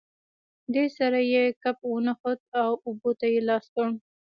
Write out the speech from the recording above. دې سره یې کپ ونښت، اوبو ته یې لاس کړ.